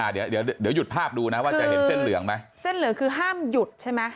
เดี๋ยวเดี๋ยวหยุดภาพดูนะว่าจะเห็นเส้นเหลืองไหมเส้นเหลืองคือห้ามหยุดใช่ไหม